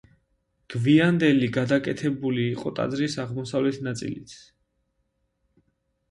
გვიანდელი გადაკეთებული იყო ტაძრის აღმოსავლეთ ნაწილიც.